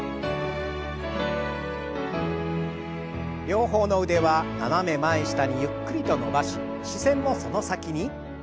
両方の腕は斜め前下にゆっくりと伸ばし視線もその先に。